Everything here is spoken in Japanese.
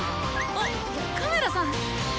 あっカメラさん。